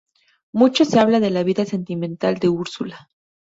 Mucho se habla de la vida sentimental de Úrsula.